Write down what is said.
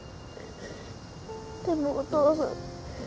でもお父さん